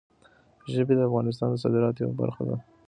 ژبې د افغانستان د صادراتو یوه برخه ده.